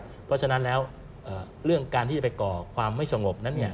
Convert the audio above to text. เพราะฉะนั้นแล้วเรื่องการที่จะไปก่อความไม่สงบนั้น